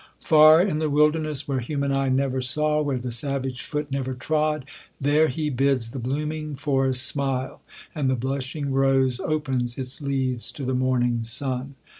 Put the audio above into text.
Far in the w^ilderncss, where human eye never saw, where the savage foot never trod, there he bids the blooming forest smile, and the blushing rose opens its leaves to the morning sun.